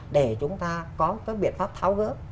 để chúng ta có cái biện pháp tháo gỡ